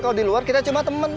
kalau di luar kita cuma temen